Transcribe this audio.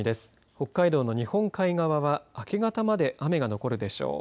北海道の日本海側は明け方まで雨が残るでしょう。